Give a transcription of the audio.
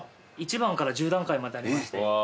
１番から１０段階までありまして。